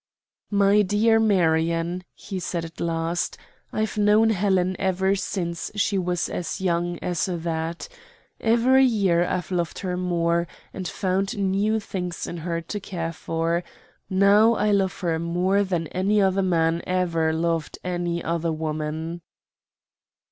"My dear Marion," he said at last, "I've known Helen ever since she was as young as that. Every year I've loved her more, and found new things in her to care for; now I love her more than any other man ever loved any other woman."